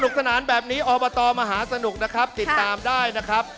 ขอบคุณค่ะ